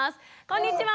こんにちは。